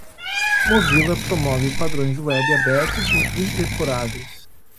Mozilla promove padrões web abertos e interoperáveis.